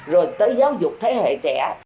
rồi tới giáo dục thế hệ trẻ